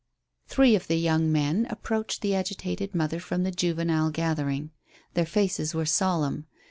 Three of the young men approached the agitated mother from the juvenile gathering. Their faces were solemn.